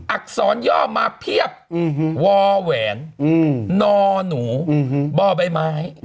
อักษรย่อมาเพียบวแหวนนอหนูบ่อใบไม้